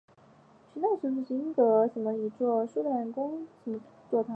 群岛座堂是英国苏格兰大坎布雷岛上的一座苏格兰圣公会的座堂。